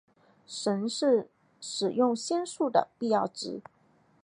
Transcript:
神是使用仙术的必要值。